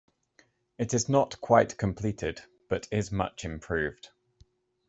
It is not quite completed but is much improved.